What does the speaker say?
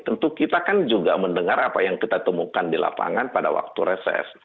tentu kita kan juga mendengar apa yang kita temukan di lapangan pada waktu reses